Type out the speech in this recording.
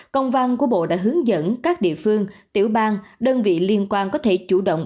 công văn của bộ đã hướng dẫn các địa phương tiểu bang đơn vị liên quan có thể chủ động